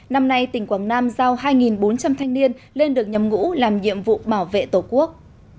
năm nay tỉnh quảng nam giao hai bốn trăm linh thanh niên lên được nhầm ngũ làm nhiệm vụ bảo vệ tổ quốc